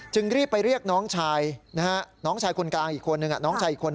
จึงรีบไปเรียกน้องชายน้องชายคนกลางอีกคนหนึ่ง